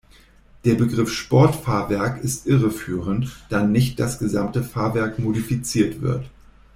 Der Begriff Sportfahrwerk ist irreführend, da nicht das gesamte Fahrwerk modifiziert wird.